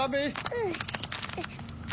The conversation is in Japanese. うん。